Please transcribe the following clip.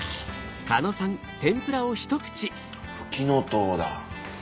フキノトウだ。